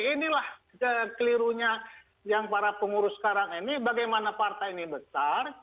inilah kelirunya yang para pengurus sekarang ini bagaimana partai ini besar